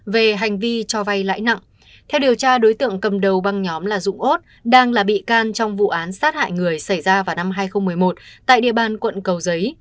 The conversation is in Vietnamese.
về hành vi cho vay lãi nặng theo điều tra đối tượng cầm đầu băng nhóm là dũng ốt đang là bị can trong vụ án sát hại người xảy ra vào năm hai nghìn một mươi một tại địa bàn quận cầu giấy